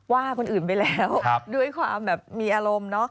ว่าคนอื่นไปแล้วด้วยความแบบมีอารมณ์เนอะ